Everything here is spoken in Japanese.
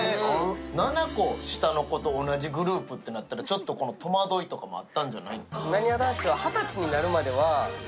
７個下の子と同じグループとなったらちょっとこの戸惑いとかもあったんじゃない？